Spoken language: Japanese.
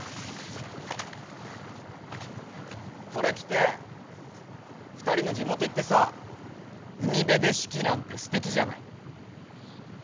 これ着て２人の地元行ってさ海辺で式なんてすてきじゃない。